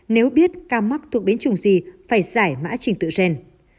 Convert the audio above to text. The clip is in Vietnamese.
nếu biết ca mắc thuộc biến chủng gì phải giải mã trình tựa gen